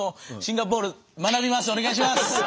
お願いします！